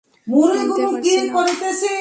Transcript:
মানতে পারছি না?